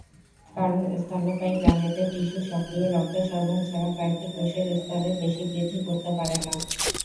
কারণ স্তন্যপায়ী প্রাণীদের টিস্যু সক্রিয় রক্ত সরবরাহ ছাড়া কয়েকটি কোষের স্তরের বেশি বৃদ্ধি করতে পারে না।